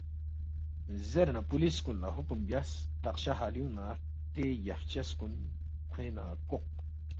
زیرے نہ پولِس کُن لہ حکم بیاس، تخشہ خالیُونگ نہ ہرتے یفچس کُن کھوینگ نہ کوق